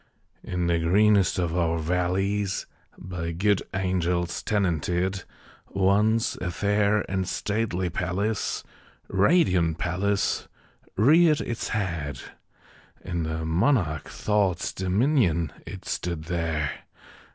In the greenest of our valleys By good angels tenanted, Once a fair and stately palace Radiant palace reared its head. In the monarch Thought's dominion It stood there!